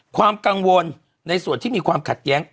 ความกังวลในส่วนที่มีความขัดแย้ง